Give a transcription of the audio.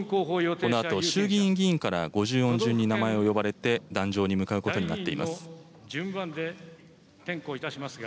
このあと衆議院議員から五十音順に名前を呼ばれて、壇上に向かうことになっています。